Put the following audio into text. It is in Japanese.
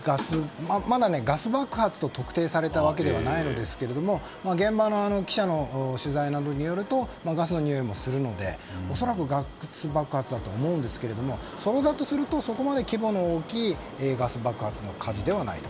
まだガス爆発と特定されたわけではないのですが現場の記者の取材などによるとガスのにおいもするので恐らくガス爆発だと思いますがそうだとするとそこまで規模の大きいガス爆発の火事ではないと。